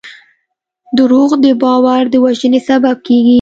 دروغ د باور د وژنې سبب کېږي.